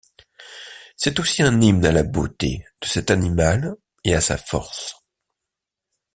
C'est aussi un hymne à la beauté de cet animal et à sa force.